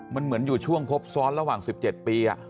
มันเหมือนอยู่ช่วงครบซ้อนระหว่าง๑๗ปี